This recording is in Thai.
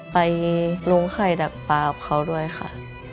ไปลงไข่ดักปลากับเขาด้วยค่ะ